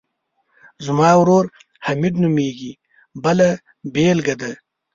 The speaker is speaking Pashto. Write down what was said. زما ورور حمید نومیږي بله بېلګه ده.